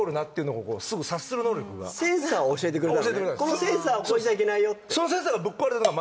このセンサーを超えちゃいけないよ